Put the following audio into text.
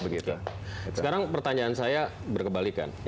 sekarang pertanyaan saya berkebalikan